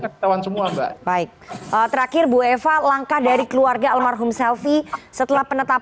ketahuan semua mbak baik terakhir bu eva langkah dari keluarga almarhum selfie setelah penetapan